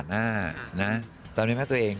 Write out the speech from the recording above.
ตอนนี้ว่ามีแภทตัวเอง